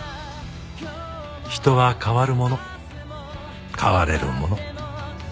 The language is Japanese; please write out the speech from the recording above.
人は変わるもの変われるもの。